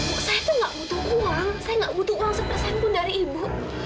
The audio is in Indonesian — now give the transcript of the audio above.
bu saya itu nggak butuh uang saya nggak butuh uang sepesan pun dari ibu